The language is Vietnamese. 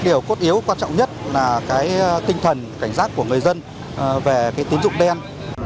điều cốt yếu quan trọng nhất là cái tinh thần cảnh giác của người dân về tín dụng đen